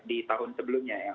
di tahun sebelumnya ya